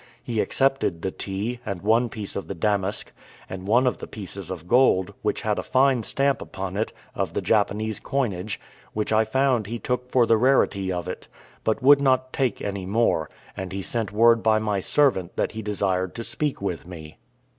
He accepted the tea, and one piece of the damask, and one of the pieces of gold, which had a fine stamp upon it, of the Japan coinage, which I found he took for the rarity of it, but would not take any more: and he sent word by my servant that he desired to speak with me.